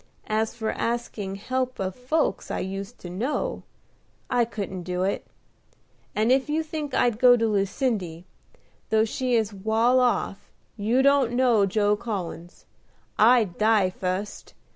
As for asking help of folks I used to know, I couldn't do it; and if you think I'd go to Lucindy, though she is wal off, you don't know Joe Collins. I'd die fust!